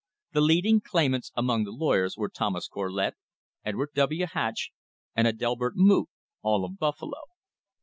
The leading claimants among the lawyers were Thomas Corlett, Edward W. Hatch and Adelbert Moot, all of Buffalo.